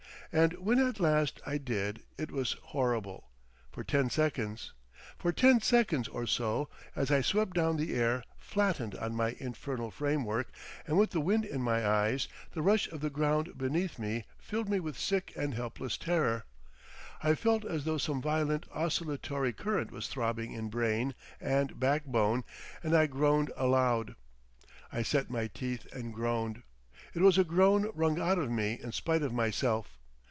And when at last I did it it was horrible—for ten seconds. For ten seconds or so, as I swept down the air flattened on my infernal framework and with the wind in my eyes, the rush of the ground beneath me filled me with sick and helpless terror; I felt as though some violent oscillatory current was throbbing in brain and back bone, and I groaned aloud. I set my teeth and groaned. It was a groan wrung out of me in spite of myself.